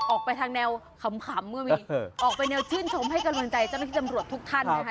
ออกไปเนียวชื่นชมให้กำลังใจเจ้าหน้าที่จำรวจทุกท่านนะคะ